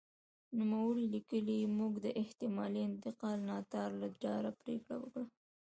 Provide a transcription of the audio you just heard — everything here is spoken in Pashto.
نوموړی لیکي موږ د احتمالي انتقالي ناتار له ډاره پرېکړه وکړه.